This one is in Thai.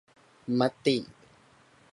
มติ